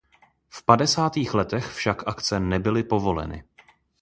V padesátých letech však akce nebyly povoleny.